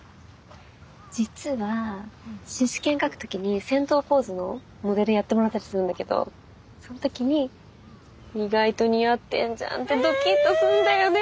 実はシシケン描く時に戦闘ポーズのモデルやってもらったりするんだけどその時に「意外と似合ってんじゃん！」ってドキッとするんだよね。